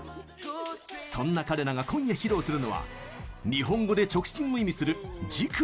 そんな彼らが今夜、披露するのは日本語で「直進」を意味する「ＪＩＫＪＩＮ」。